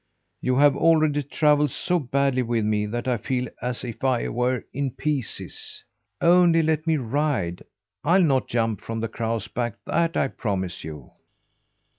You have already travelled so badly with me that I feel as if I were in pieces. Only let me ride! I'll not jump from the crow's back, that I promise you."